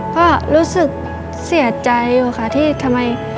ก็รู้สึกเสียใจอยู่ค่ะที่ทำไม